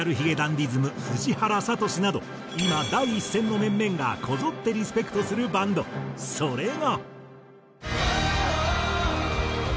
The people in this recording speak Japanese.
ｄｉｓｍ藤原聡など今第一線の面々がこぞってリスペクトするバンドそれが。